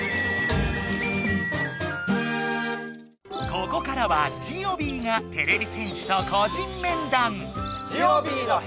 ここからはジオビーがてれび戦士と個人めんだん！